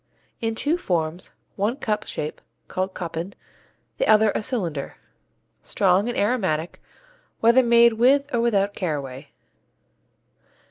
In two forms, one cup shape (called Koppen), the other a cylinder. Strong and aromatic, whether made with or without caraway.